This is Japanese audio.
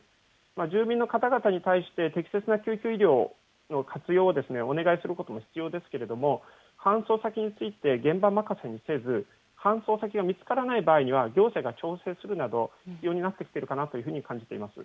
住民の方々に対して、適切な救急医療の活用をですね、お願いすることも必要ですけれども、搬送先について現場任せにせず、搬送先が見つからない場合には、行政が調整するなど、必要になってきているかなというふうに思います。